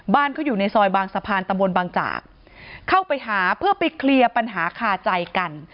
บ้านเขาอยู่ในซอยบางสะพานตำบลบางจากเข้าไปหาเพื่อไปเคลียร์ปัญหาคาใจกัน